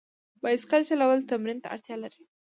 بایسکل چلول تمرین ته اړتیا لري.